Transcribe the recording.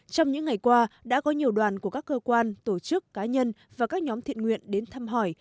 trong những ngày qua đã có nhiều đoàn của các cơ quan tổ chức cá nhân và các nhóm thiện nguyện đến thăm hỏi